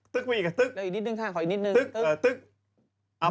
ตึ๊กอีกนิดนึงค่ะ